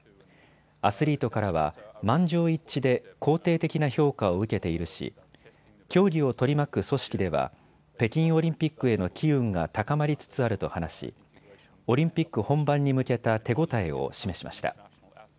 アスリートからは満場一致で肯定的な評価を受けているし競技を取り巻く組織では北京オリンピックへの機運が高まりつつあると話しオリンピック本番に向けた手応えを示しました。